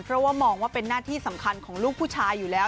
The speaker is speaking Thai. เพราะว่ามองว่าเป็นหน้าที่สำคัญของลูกผู้ชายอยู่แล้ว